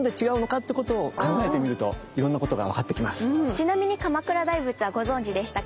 ちなみに鎌倉大仏はご存じでしたか？